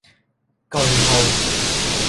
句號